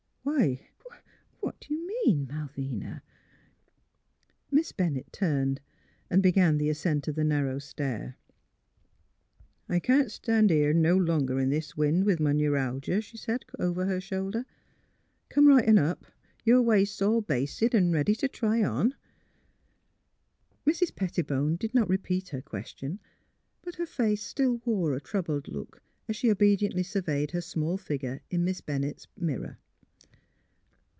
*' Why what — what do you mean, Malvina ?'' Miss Bennett turned and began the ascent of the narrow stair. " I can't stan' out here no longer in this wind, with m' neuralgia," she said, over her shoulder. '' Come right on up; your waist's all basted an' ready t' try on." Mrs. Pettibone did not repeat her question ; but her face still wore a troubled look as she obedi ently surveyed her small figure in Miss Bennett's mirror.